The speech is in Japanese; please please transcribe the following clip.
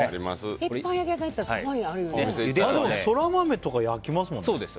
ソラマメとか焼きますもんね。